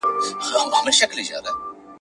ځینې ښکېلاکي ذهنیتونه